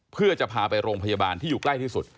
เพื่อจะพาไปโรงพยาบาลที่อยู่ใกล้ที่สุด